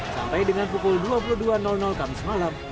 sampai dengan pukul dua puluh dua kamis malam